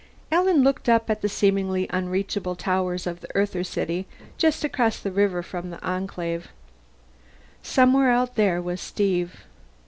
Alan looked up at the seemingly unreachable towers of the Earther city just across the river from the Enclave. Somewhere out there was Steve.